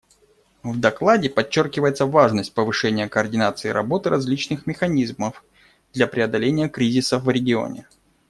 В докладе подчеркивается важность повышения координации работы различных механизмов для преодоления кризиса в регионе.